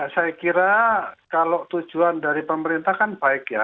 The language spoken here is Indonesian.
saya kira kalau tujuan dari pemerintah kan baik ya